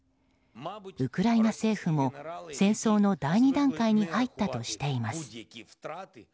ウクライナ政府も戦争の第２段階に入ったとしています。